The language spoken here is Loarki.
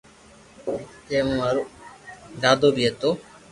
جي مي مارو دادو بي ھتو